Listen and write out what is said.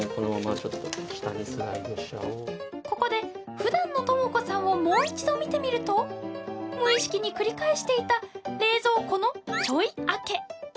ここで、ふだんのともこさんをもう一度見てみると無意識に繰り返していた冷蔵庫の「ちょい開け」。